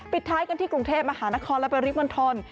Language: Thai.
ท้ายกันที่กรุงเทพมหานครและปริมณฑล